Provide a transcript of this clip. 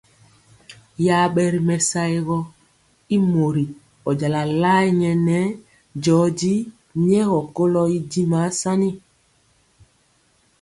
Yabe ri mɛsaogɔ y mori ɔjala laɛ nɛɛ joji nyegɔ kolo y dimaa sani.